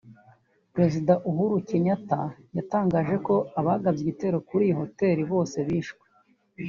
Perezida Uhuru Kenyatta yatangaje ko abagabye igitero kuri iyi hotel bose bishwe